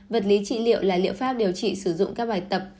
vật lý trị liệu là liệu pháp điều trị sử dụng các bài tập